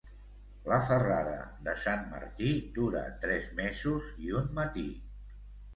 La ferrada de Sant Martí dura tres mesos i un matí.